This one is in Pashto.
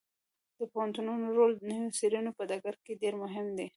د پوهنتونونو رول د نویو څیړنو په ډګر کې ډیر مهم دی.